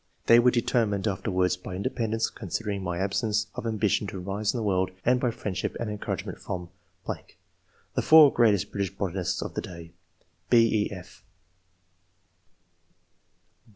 They were determined after wards by independence (considering my absence of ambition to rise in the world) and by friend ship and encouragement from ...., the four greatest British botanists of the day." (6, e, /) N 2 IbO ENGLISH MEN OF SCIENCE.